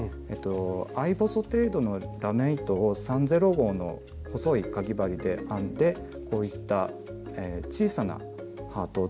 合細程度のラメ糸を３／０号の細いかぎ針で編んでこういった小さなハートを作って。